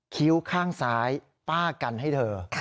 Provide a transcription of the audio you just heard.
คิ้วข้างซ้ายป้ากันให้เธอ